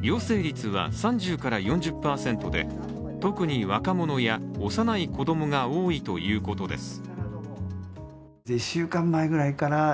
陽性率は３０４０％で特に若者や幼い子供が多いということです。